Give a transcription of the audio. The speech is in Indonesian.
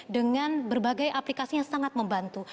dengan berbagai aplikasi yang sangat membantu